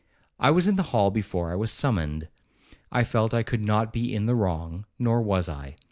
I was in the hall before I was summoned. I felt I could not be in the wrong, nor was I.